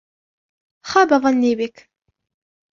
خاب ضني بك